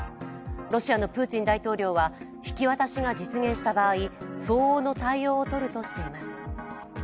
ロシアのプーチン大統領は引き渡しが実現した場合、相応の対応をとるとしています。